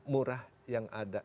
murah yang ada